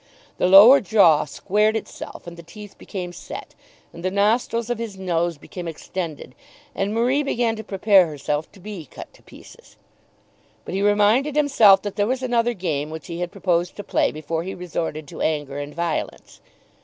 The lower jaw squared itself, and the teeth became set, and the nostrils of his nose became extended, and Marie began to prepare herself to be "cut to pieces." But he reminded himself that there was another game which he had proposed to play before he resorted to anger and violence.